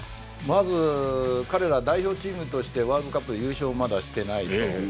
まず彼ら代表チームとしてワールドカップで優勝をまだしてないと。